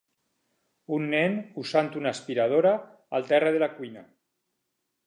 Un nen usant una aspiradora al terra de la cuina.